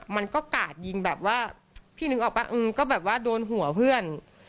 มันก็กาดยิงแบบว่าพี่นึกออกป่ะก็แบบว่าโดนหัวเพื่อน